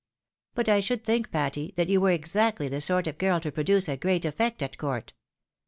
But I should think, Patty, that you were exactly the sort of girl to produce a great effect at court.